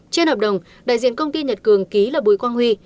trên hợp đồng đại diện công ty nhật cường ký là bùi quang huy